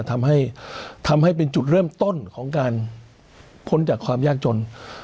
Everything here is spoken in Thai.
ทำให้ทำให้เป็นจุดเริ่มต้นของการพ้นจากความยากจน